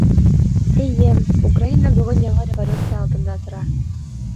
Эйе, Украина бөгөн яңы революция алдында тора.